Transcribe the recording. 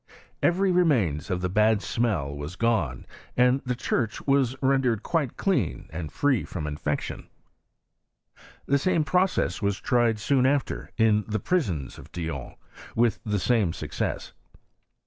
* Every remains of the bad smell was gone, and the Lchurch was rendered quite clean and free from in N 2 180 vnssVKY nv cnCKniHT. fection. The same process was tried soon after in the prisons of Dijon, and with the same succesB.